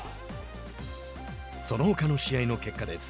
そのほかの試合の結果です。